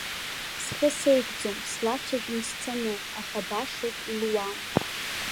Схы сеигӡом, слацәажәон сцаны, аха башоуп, илуам.